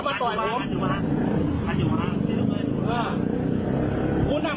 คนที่อยู่กัน๒๓คน